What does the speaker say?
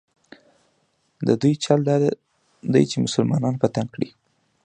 د دوی چل دا دی چې مسلمانان په تنګ کړي.